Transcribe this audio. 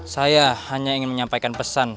saya hanya ingin menyampaikan pesan